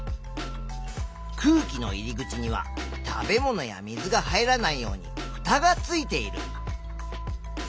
空気の入り口には食べ物や水が入らないようにふたがついている。